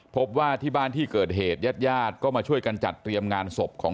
พบว่าที่บ้านที่เกิดเหตุญาติญาติก็มาช่วยกันจัดเตรียมงานศพของ